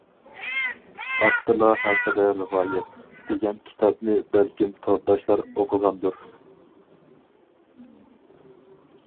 «ئاتتىلا ھەققىدە رىۋايەت» دېگەن كىتابنى بەلكىم تورداشلار ئوقۇغاندۇر.